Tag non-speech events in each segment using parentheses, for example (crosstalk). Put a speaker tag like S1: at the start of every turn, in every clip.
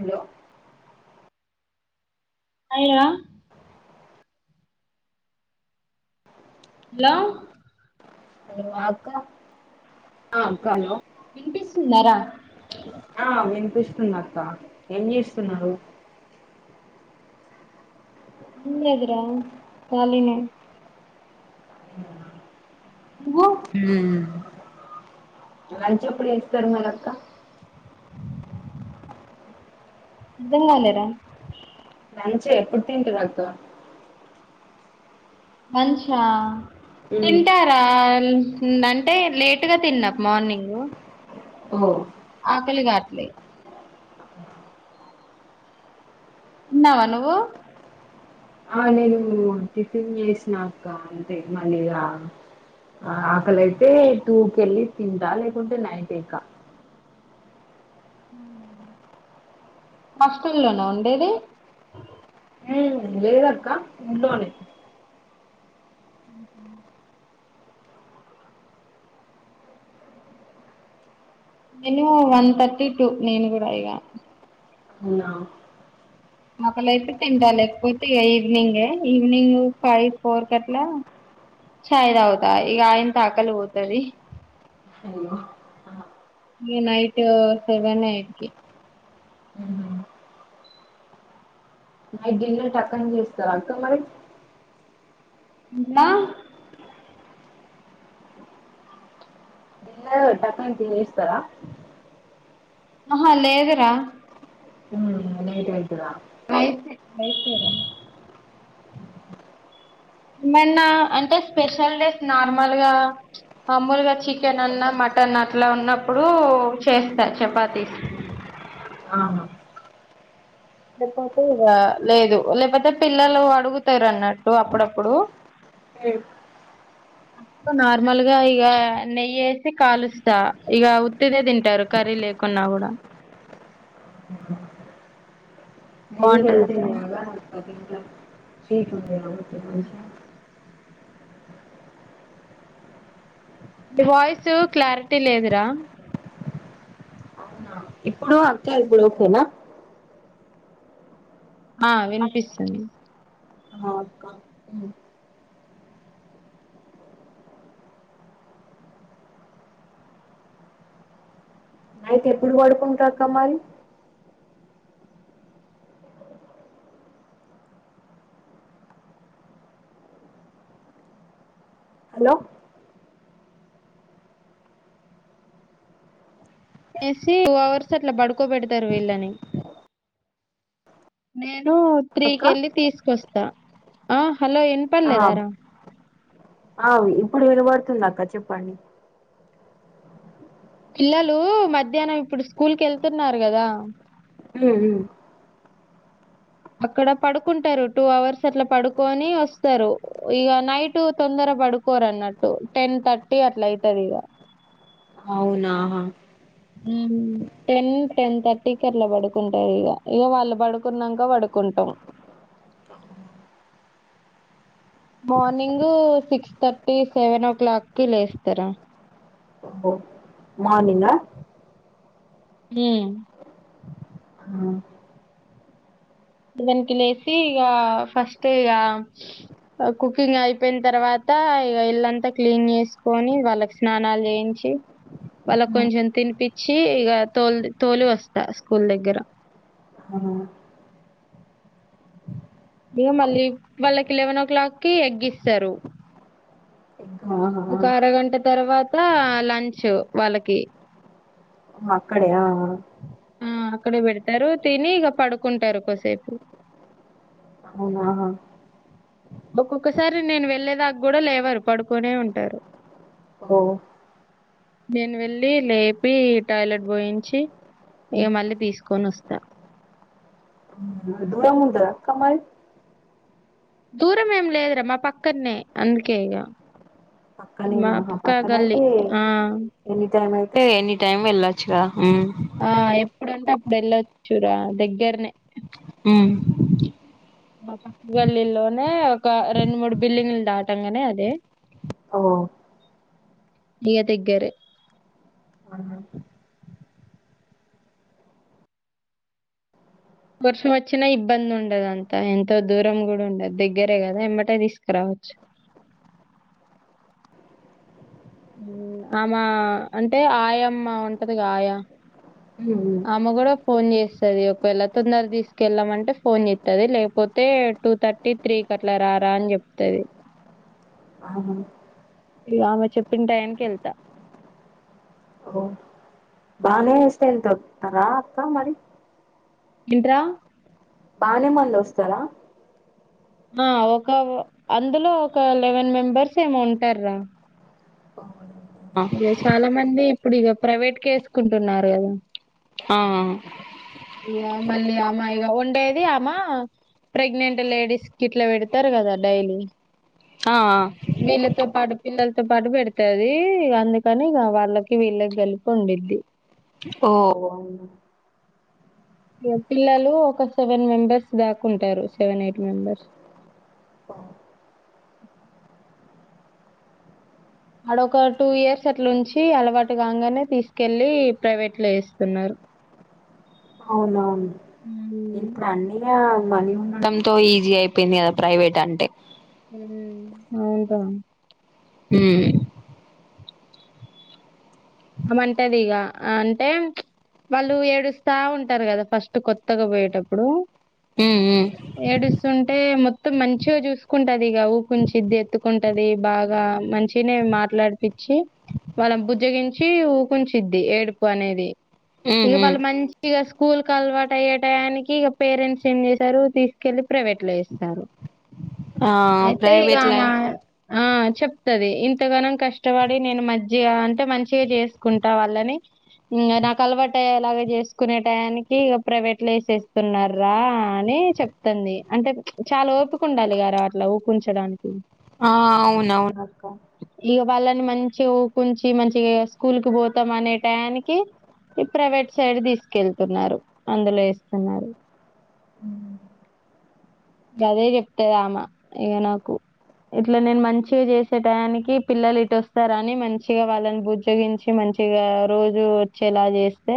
S1: Hello
S2: hello hello
S1: hello అక్క అక్క hello
S2: వినిపిస్తుందా రా
S1: ఆ వినిపిస్తుది అక్క ఏం చేస్తున్నారు
S2: ఎం లేదురా కాలినే నువ్వు
S1: ఉమ్
S2: నిజంగా లేరా
S1: లంచ్ ఎప్పుడు తింటది అక్క
S2: లంచ్ ఆ తింటా చాలా అంటే లేటుగా తిన్నా మార్నింగ్
S1: ఓహో
S2: ఆకలి కాట్లే ఉన్నావా నువ్వు
S1: ఆ నేను టిఫిన్ చేసినాక అంతే మళ్ళీగా అకలైతే టూ కెళ్ళి తింటా లేకుంటే నైట్ ఎయికా
S2: హస్టల్ లోనా ఉండేది
S1: లేదు అక్క ఉర్లోనే
S2: ఉహుమ్ నేను వన్ థర్టీ టూ నేను కూడా ఇగా
S1: హాలో
S2: ఒకెళ్ళా అయితే తింటా లేకపోతే ఇక ఈవినింగే ఈవినింగ్ ఫైవ్ ఫోర్ కి అట్లా చాయి తాగతా ఈక ఆయనతో ఆకలి పోతది
S1: హలో
S2: ఇగ నైట్ సెవెన్ ఎయిట్ కి
S1: నైట్ డిన్నర్ టక్కని చేస్తారు అక్క మరి
S2: నా
S1: ఎ పక్కన టీ చేస్తారా
S2: ఆహా లేదరా
S1: హమ్ నైట్ అయితదా
S2: (unintelligible) మైసూరా మొన్నా అంటే స్పెషల్ డేస్ నార్మల్గా మామూలుగా చికెన్ అన్నా మటన్ అట్లా ఉన్నప్పుడు చేస్తా చపాతీ
S1: ఆహా!
S2: లేకపోతే ఇగ లేదు లేకపోతే పిల్లలు అడుగుతారు అన్నట్టు అప్పుడప్పుడు
S1: ఎ
S2: అ నార్మల్ గా ఇగ నెయ్యి వేసి కాలుస్తా. ఇక ఉత్తిదే తింటారు కర్రీ లే కున్నా కూడా
S1: (unintelligible) గే
S2: బాగుంటది అట్లా
S1: ఎవప్ప మంచి
S2: నీ వాయిస్ క్లారిటీ లేదురా.
S1: ఇప్పుడు అక్కా ఇప్పుడు ఓకేనా
S2: ఆ వినిపిస్తుంది.
S1: హ అక్కా అయితే ఎప్పుడు పడుకుంటావు అత్తమ్మా అది. హలో
S2: ఎస్సీ టూ అవర్స్ అట్లా పడుకోబెడతారు వీళ్ళని. నేను
S1: అక్క
S2: త్రీకి వెళ్ళి తీసుకొస్తా ఆ హలో ఏం
S1: ఆ అవును ఇప్పుడు వినపడుతుంది అక్కా చెప్పండి.
S2: పిల్లలు మధ్యాహ్నం ఇప్పుడు స్కూల్ క వెళ్తున్నారు గదా?
S1: మ్ హు
S2: అక్కడ పడుకుంటారు టూ అవర్స్ అట్లా పడుకొని వస్తారు. ఇగ నైట్ తొందర పడుకోరు అన్నట్టు టెన్ థర్టీ అట్లా అయితాది ఇగ.
S1: అవునా. హా
S2: టెన్ టెన్ థర్టీకి అలా పడుకుంటారు ఇగ. ఇగ వాళ్ళు పడుకున్నాక పడుకుంటాం.
S1: ఆ
S2: morning six thirty seven o'clock కి లేస్తారు.
S1: ఓహో మార్నింగా
S2: మ్
S1: హా
S2: సెవెన్ కి లేేసి ఇగ ఫస్ట్ ఇగ కుకింగ్ అయిపోయిన తర్వాత ఇగ ఇల్లంతా క్లీన్ చేసుకొని వాళ్ళకి స్నానాలు చేయించి వాళ్ళకు కొంచెం తినిపించి ఇక తోలి తోలి వస్తా స్కూల్ దగ్గర.
S1: అహా
S2: ఇగో మళ్లీ వాళ్లకి లేవనో క్లాక్కి ఎగ్ ఇస్తారు.
S1: ఇంకా ఆహా ఆ.
S2: ఒక అరగంట తర్వాత లంచ్ వాళ్ళకి.
S1: మా అక్క డియా ఆ
S2: ఆ అక్కడే పెడతారు తిని ఇక పడుకుంటారు కోసేపు.
S1: అవునా, హా
S2: ఒక్కొక్కసారి నేను వెళ్ళే దాకా కూడా లేవరు. పడుకునే ఉంటారు.
S1: హో
S2: నేను వెళ్ళి లేపి టాయిలెట్ పోయించి ఇగ మళ్ళీ తీసుకొని వస్తా
S1: అంతే దూరం ఉంటదా అక్క మరి
S2: దూరం ఏం లేదురా మా పక్కనే అందుకే ఇక మా
S1: పక్కనేనా
S2: పక్క గల్లి
S1: పక్కనయితే
S2: ఆ
S1: ఎనీ టైమ్ అయితే ఎనీ టైమ్ వెళ్ళొచ్చు ఉమ్
S2: ఆ ఎప్పుడంటే అప్పుడు వెళ్ళొచ్చురా దగ్గరనే
S1: ఉమ్
S2: మా పక్క గల్లీలోనే ఒక రెండు మూడు బిల్డింగ్లు దాటంగానే అదే
S1: అవ్
S2: ఇగా దగ్గరె
S1: అమ్మే
S2: వర్షం వచ్చిన ఇబ్బంది ఉండదు అంతా ఎంతో దూరం కూడా ఉండదు దగ్గరే కదా ఎంబటే తీసుకురావచ్చు ఆమ అంటే ఆయామ్మ ఉంటది గా ఆయా
S1: ఊహూ
S2: అమ్మే కూడా ఫోన్ చేస్తాది ఒకవేళ తొందర తీసుకెళ్లమంటే ఫోన్ చేస్తాది లేకపోతే టూ థర్టీ త్రీకి అట్లా రారా అని చెప్తాది
S1: అవును
S2: ఇగా అమె చెప్పిన టయానికి వెళ్తా
S1: ఓ బానే ఇస్తే ఎంత ఓతారా అక్క మరి
S2: ఏంట్రా
S1: బానే మందొస్తారా
S2: ఆ ఒక అందులో ఒక లెవెన్ మెంబర్స్ ఏమో ఉంటారా
S1: పో
S2: ఇక చాలా మంది ఇప్పుడు ఇగా ప్రైవేట్ కె వేసుకుంటున్నారు కదా
S1: ఆ ఆ
S2: ఇగ మళ్ళీ ఆమె ఇగ ఉండేది ఆమె ప్రెగ్నెంట్ లేడీస్ కి ఇట్లా పెడతారు కదా డైలీ
S1: ఆ
S2: వీళ్ళతో పాటు పిల్లలతో పాటు పెడతది అందుకని ఇక వాళ్ళకి వీళ్ళకి గలిపి వండిద్ది
S1: ఓ
S2: పిల్లలు ఒక సెవెన్ మెంబెర్స్ దాకుంటారు సెవెన్ ఎయిట్ మెంబెర్స్ అడా ఒక టూ ఇయర్స్ అట్లుంచి అలవాటు కాగానే తీసుకెళ్ళి ప్రైవేట్ లో వేస్తున్నారు
S1: అవునవును
S2: హ్మ్
S1: ఇంకా అన్ని ఆ మనీ మొత్తం తో ఈజీ అయిపోయింది కదా ప్రైవేట్ అంటే
S2: అవుంటా
S1: ఉమ్
S2: ఆమె అంటది ఇగ అంటే వాళ్ళు ఏడుస్తా ఉంటారు కదా ఫస్ట్ కొత్తగా పోయేటప్పుడు
S1: ఉమ్
S2: ఏడుస్తుంటే మొత్తం మంచిగా చూసుకుంటదిగ ఊకుంచిది ఎత్తుకుంటది బాగా మంచిగా తినేవి మాట్లాడిపిచ్చి వాళ్లను బుజ్జగించి ఊకుంచిద్ది ఏడుపు అనేది
S1: ఉమ్
S2: ఇక
S1: ఉమ్
S2: వాళ్ళు మంచిగా స్కూల్ కి అలవాటు అయ్యేటయనికి ఇక పేరెంట్స్ చేంజ్ చేశారు తీసుకు వెళ్లి ప్రైవేట్ లో ఎస్తారు
S1: ఆ
S2: అయితే ఇగా
S1: ప్రైవేట్ లై
S2: ఆమా ఆ చెప్తది ఇంతగానం కష్టపడి నేను మంచిగా అంటే మంచి మంచిగా చేసుకుంటా వాళ్ళని ఉమ్ నాకు అలవాటు అయ్యేలా చేసుకునే టయానికి ఇక ప్రైవేట్ లో వేసేస్తున్న రా అని చెప్పు వత్తాంది అంటే చాలా ఓపిక ఉండాలి గార అట్లా ఊపుంచడానికి
S1: ఆ అవునవును అక్క
S2: ఇగ వాళ్ళని మంచి ఉకుంచి మంచిగా స్కూల్ కు పోతాం అనే టైయానికి ఈ ప్రైవేట్ సైడ్ తీసుకెళ్తున్నారు అందులో యేస్తున్నారు
S1: అవునా
S2: గదే చెప్తాది ఆమె ఇంగా నాకు ఇట్లా నేను మంచిగా చేసే టయానికి పిల్లలు ఇటు వస్తార అని మంచిగా వాళ్ళని బుజ్జగించి మంచిగా రోజు వచ్చేలా చేస్తే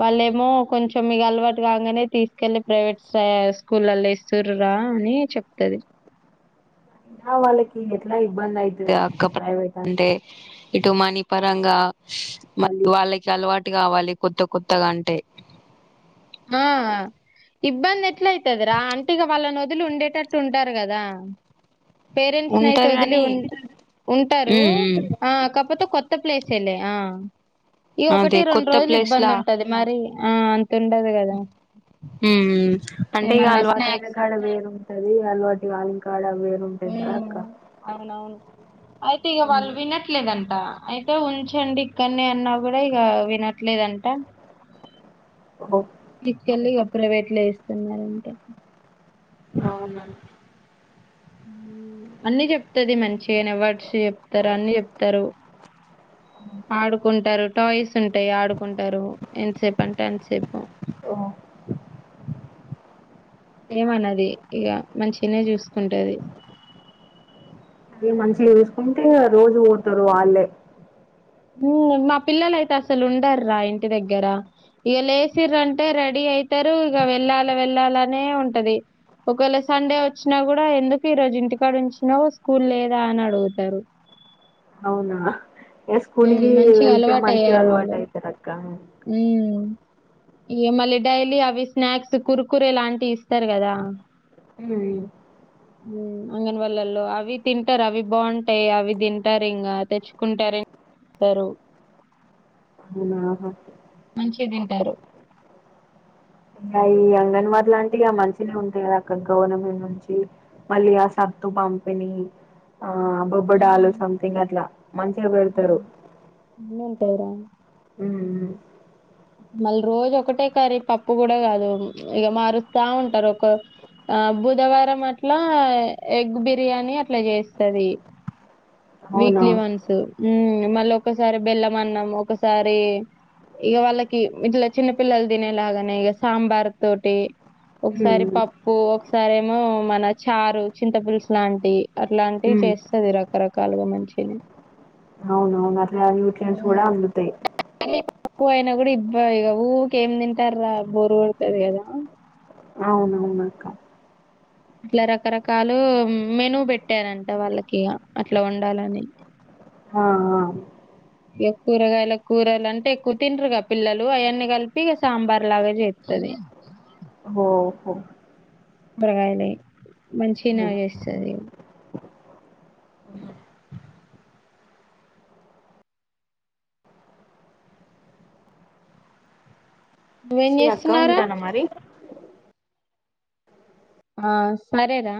S2: వాళ్ళేమో కొంచెం మీకు అలవాటు కాగాంనే తీసుకెళ్ళి ప్రైవేట్ స్కూల్ల ల్లో యేస్తుర్రురా అని చెప్తది
S1: ఆ వాళ్ళకి ఎట్లా ఇబ్బంది అయితుది అక్క ప్రైవేట్ అంటే ఇటు మనీ పరంగా మళ్ళీ వాళ్ళకి అలవాటు కావాలి కొత్త కొత్తగా అంటే
S2: ఆ ఇబ్బంది ఎట్లా అయితదిరా అంటే ఇగ వాళ్ళాని వొదలి ఉండేటట్టు ఉంటారు కదా పేరెంట్స్ నీ అయితే
S1: ఉంటారు
S2: వదిలి
S1: గాని
S2: ఉ ఉంటారు
S1: ఉమ్ ఉమ్
S2: ఆ కాకపోతే కొత్త ప్లేస్ లే ఆ ఇగ ఒకటి
S1: అదే
S2: రెండు
S1: కొత్త
S2: రోజులు
S1: ప్లేస్
S2: ఇబ్బంది
S1: లా
S2: ఉంటది మరి ఆ అంతా
S1: అంటే ఇక
S2: ఏమన్నా
S1: అలవాటయిన
S2: స్నాక్స్
S1: కడ వేరు అది అలవాటు కనికాడ వేరుంటాంది కదా
S2: హ్మ్
S1: అక్క
S2: అవునవును అయితే ఈగ వాళ్ళు వినట్లేదంటా వుంచండి ఇక్కడనే అన్నా కూడా ఇక వినట్లేదంట
S1: ఓహో
S2: నీకు తెలిదా ప్రైవేట్ లో యేస్తాన్నారంటే
S1: అవున
S2: అన్నీ చెప్ చెప్తానంది మంచిగానే వర్డ్స్ చెప్తారు అన్ని చెప్తారు ఆడుకుంటారు టాయ్స్ ఉంటాయి ఆడుకుంటారు ఎంతసేపు అంటే అంతసేపు
S1: ఓ
S2: ఏమోనది ఇగ మంచిగానే చూసుకుంటది
S1: ఆమె మంచిగా చూసుకుంటే రోజు పోతారు వాళ్ళే
S2: మా పిల్లలయితే అసలు ఉండర్రా ఇంటి దగ్గర ఇగ లేసిర్రు అంటే రెడీ అయితారు ఇక వెళ్ళాలా వెళ్ళాలానే ఉంటది ఒకవేళ సండే వచ్చినా కూడా ఎందుకు ఈ రోజు ఇంటికాడ ఉంచినావ్ స్కూల్ లేదా అని అడుగుతారు
S1: అవునా ఏ స్కూల్
S2: హ్మ్.
S1: కి
S2: మంచిగా
S1: వెళ్తే మంచిగా అలవాటు అయితారు అక్క
S2: ఉను ఇగ మళ్ళీ డైలీ అవి స్నాక్స్ కుర్ కురే లాంటివి ఇస్తారు కదా
S1: (unintelligible) అయ్యో
S2: అంగన్వాల్ళలో అవి తింటారు అవి బాగుంటాయి అవి తింటారు ఇంకా తెచ్చుకుంటారు తరు
S1: అవునా ఆహ
S2: మంచిగా తింటారు
S1: మళ్ళా అంగన్వాడిలు అంటే ఇగ మంచిగానే ఉంటాయి కదా అక్కడ గవర్నమెంటు నుంచి మళ్ళీ ఆ సత్తు పంపిణీ ఆ బొబ్బడాలు
S2: హ్మ్.
S1: సంథింగ్ అట్లా మంచిగా పెడతారు
S2: అవును. అన్నీ ఉంటాయిరా.
S1: ఉ
S2: మళ్ళీ రోజు ఒకటే కరీ పప్పు కూడా కాదు ఇక మారుస్తా ఉంటారు ఒక ఆ బుధవారం అట్ల ఎగ్ బిర్యానీ అట్లా చేస్తది
S1: అవునా
S2: వీక్లీ వన్స్ ఉ మళ్ళీ ఒకసారి బెల్లం అన్నం ఒకసారి ఇక వాళ్ళ కి ఇట్లా చిన్నపిల్లలు తినేలాగానే ఇక సాంబార్ తోటి ఒకసారి
S1: మ్మ్
S2: పప్పు ప్పు ఒకసారేమో మన చారు చింత పులుసు లాంటి అట్లాంటివి
S1: మ్మ్
S2: చేస్తది రకరకాల కాలువ మంచిది
S1: అవున అవును అట్లా న్యూట్న్ట్స్ కూడా అందుతాయి
S2: అప్పు అయిన కూడా ఇబ్బ ఇ ఊకేం ఏం తింటార బోరుకొడతాది కదా
S1: అవునవునక్క
S2: ఇట్లా రకరకాలు మెను పెట్టారంట వాళ్ళకి అట్లా వండాలని
S1: ఆ
S2: ఇక కూరగాయల కూరలు అంటే ఎక్కువ తినరుగా పిల్లలు అవన్నీ కలిపి ఇక సాంబార్ లాగా చేస్తది
S1: ఓహో
S2: కూరగాయలు మంచిగనే
S1: ఉమ్.
S2: చేేస్తది నువ్వేం
S1: సరే అక్క
S2: చేస్తున్నావురా
S1: ఉంటాను మరి
S2: ఆ సరేరా